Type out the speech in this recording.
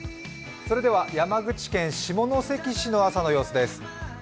山口県下関市の朝の様子です。